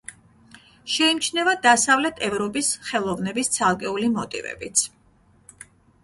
შეიმჩნევა დასავლეთ ევროპის ხელოვნების ცალკეული მოტივებიც.